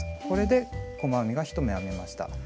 これで細編みが１目編めました。